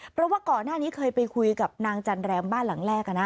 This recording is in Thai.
เพราะว่าก่อนหน้านี้เคยไปคุยกับนางจันแรมบ้านหลังแรกนะ